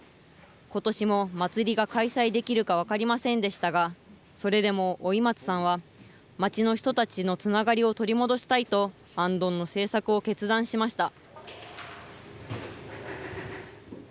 ことしも祭りが開催できるか分かりませんでしたが、それでも老松さんは、町の人たちのつながりを取り戻したいと、行燈の製作を決断しました。